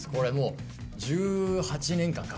１８年間か。